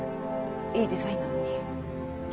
いいデザインなのに。